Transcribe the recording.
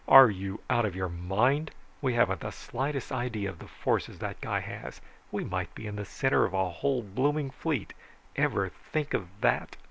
"Are you out of your mind? We haven't the slightest idea of the forces that guy has. We might be in the center of a whole blooming fleet. Ever think of that?"